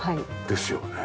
ですよね？